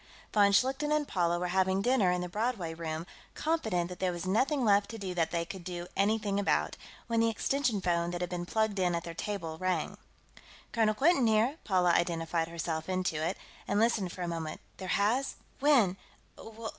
Von Schlichten and Paula were having dinner in the Broadway Room, confident that there was nothing left to do that they could do anything about, when the extension phone that had been plugged in at their table rang. "Colonel Quinton here," Paula identified herself into it, and listened for a moment. "There has? When?...